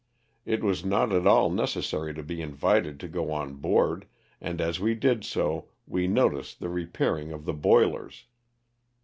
It was not at all necessary to be invited to go on board, and as we did so we noticed the repairing of the boilers.